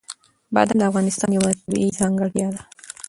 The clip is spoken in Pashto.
بادام د افغانستان یوه طبیعي ځانګړتیا ده.